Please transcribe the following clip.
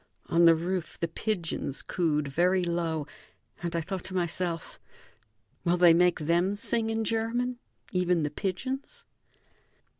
On the roof the pigeons cooed very low, and I thought to myself: "Will they make them sing in German, even the pigeons?"